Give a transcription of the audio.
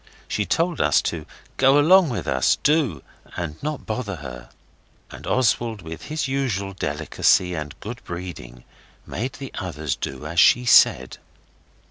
She told us to go along with us, do, and not bother her. And Oswald, with his usual delicacy and good breeding, made the others do as she said.